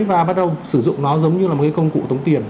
và bắt đầu sử dụng nó giống như là một cái công cụ tống tiền